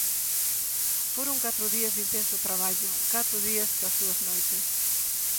Foron catro días de intenso traballo, catro días coas súas noites.